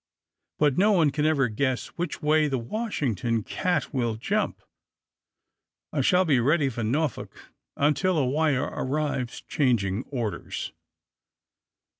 But no one can ever guess which way the Washington cat will jump. I shall be ready for Norfolk until a wire arrives changing orders."